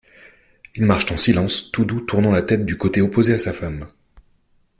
Ils marchent en silence, Toudoux tournant la tête du côté opposé à sa femme.